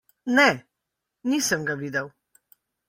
Ne, nisem ga videl.